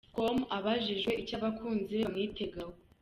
com abajijwe icyo abakunzi be bamwitegaho.